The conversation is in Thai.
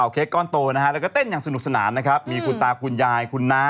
ไม่ต่างอะไรจากแฟน